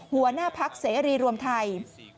หัวหน้าพักเสรีรวมไทย